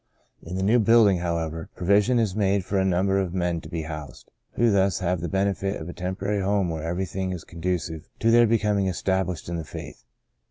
In the new build ing, however, provision is made for a num ber of men to be housed, who thus have the benefit of a temporary home where every thing is conducive to their becoming estab lished in the faith.